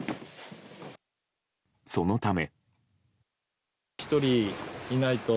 そのため。